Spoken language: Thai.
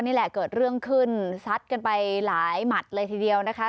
นี่แหละเกิดเรื่องขึ้นซัดกันไปหลายหมัดเลยทีเดียวนะคะ